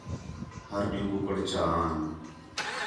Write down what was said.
ہر ݙِین٘ہوں کُکڑ چا آن